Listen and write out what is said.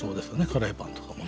カレーパンとかも。